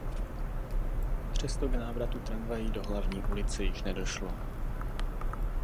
Přesto k návratu tramvají do "Hlavní ulice" již nedošlo.